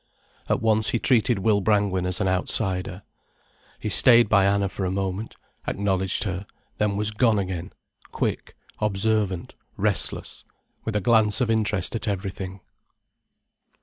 At once he treated Will Brangwen as an outsider. He stayed by Anna for a moment, acknowledged her, then was gone again, quick, observant, restless, with a glance of interest at everything.